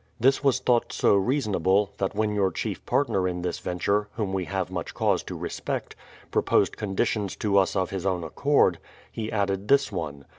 This was thought so reasonable, that when your chief partner in this venture (whom we have much cause to respect) proposed conditions to us of his own accord, he added this one.